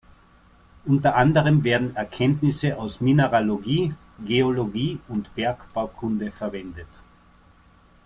Unter anderem werden Erkenntnisse aus Mineralogie, Geologie und Bergbaukunde verwendet.